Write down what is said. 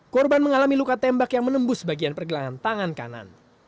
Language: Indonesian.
korban mengalami luka tembak yang menembus bagian pergelangan tangan kanan